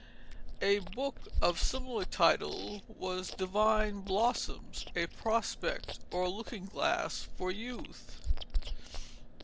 A book of similar title was Divine Blossoms, a Prospect or Looking Glass for Youth.